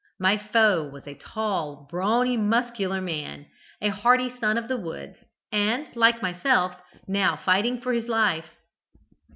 My foe was a tall, brawny, muscular man, a hardy son of the woods, and, like myself, now fighting for his life.